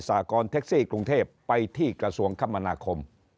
สากรเท็กซี่กรุงเทพไปที่กระทรวงคมนาคม